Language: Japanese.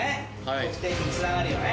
得点につながるよね